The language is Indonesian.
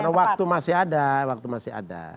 karena waktu masih ada waktu masih ada